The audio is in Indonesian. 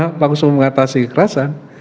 bukan bagaimana langsung mengatasi kekerasan